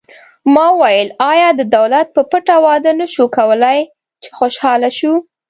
ما وویل: آیا د دولت په پټه واده نه شو کولای، چې خوشحاله شو؟